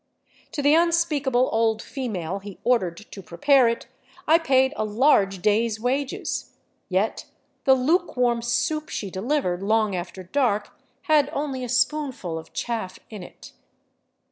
To the unspeakable old female he ordered to prepare it I paid a large day's wages, yet the luke warm " soup " she delivered long after dark had only a spoonful of chaff in it.